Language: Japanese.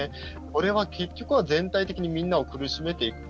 これは結局は全体的にみんなを苦しめていく。